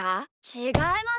ちがいます！